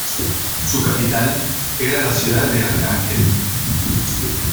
Su capital era la ciudad de Arcángel.